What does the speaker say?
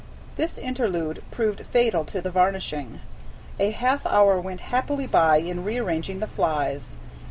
This interlude proved fatal to the varnishing. A half hour went happily by in rearranging the flies.